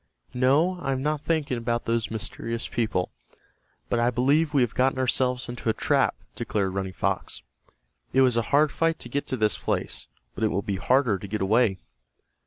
"No, I am not thinking about those mysterious people, but I believe we have got ourselves into a trap," declared Running Fox. "It was a hard fight to get to this place, but it will be harder to get away."